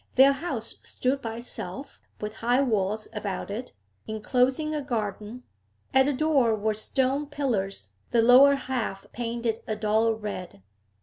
Their house stood by itself, with high walls about it, enclosing a garden; at the door were stone pillars, the lower half painted a dull red.